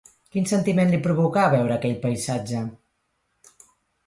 Quin sentiment li provocà veure aquell paisatge?